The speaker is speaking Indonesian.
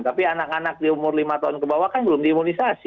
tapi anak anak di umur lima tahun ke bawah kan belum diimunisasi